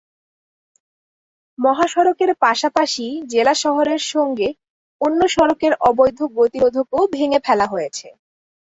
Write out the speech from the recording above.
মহাসড়কের পাশাপাশি জেলা শহরের সঙ্গে অন্য সড়কের অবৈধ গতিরোধকও ভেঙে ফেলা হয়েছে।